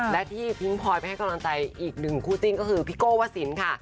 และที่ทิ้งพลอยไปให้กำลังใจอีกหนึ่งคู่จิ้นก็คือพี่โก้วสินค่ะ